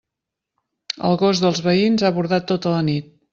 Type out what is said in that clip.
El gos dels veïns ha bordat tota la nit.